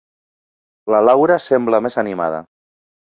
La Laura sembla més animada.